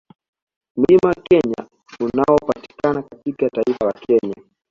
Mlima Kenya unaopatikana katika taifa la Kenya